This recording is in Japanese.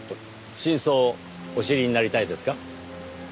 真相をお知りになりたいですか？